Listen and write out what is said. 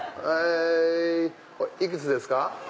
いくつですか？